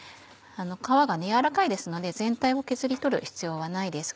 皮が柔らかいですので全体を削り取る必要はないです。